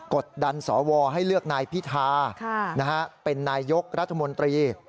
กดดันสวให้เลือกนายพิธาเป็นนายยกรัฐมนตรี